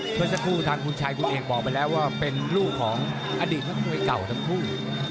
เมื่อสักครู่ทางคุณชายคุณเอกบอกไปแล้วว่าเป็นลูกของอดีตนักมวยเก่าทั้งคู่